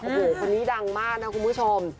โอ้โหคนนี้ดังมากนะคุณผู้ชม